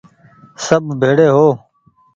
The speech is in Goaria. سب ڀيڙي هون ۔